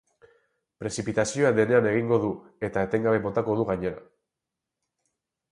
Prezipitazioa denean egingo du eta etengabe botako du gainera.